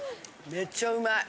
めっちゃうまい！